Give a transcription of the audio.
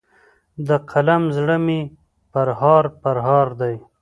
د قلم زړه مي پرهار پرهار دی